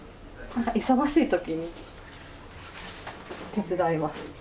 忙しい時に手伝います。